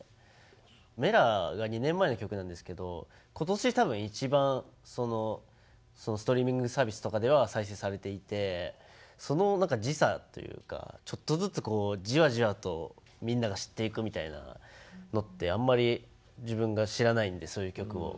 「Ｍｅｌａ！」が２年前の曲なんですけど今年多分一番ストリーミングサービスとかでは再生されていてその何か時差というかちょっとずつじわじわとみんなが知っていくみたいなのってあんまり自分が知らないんでそういう曲を。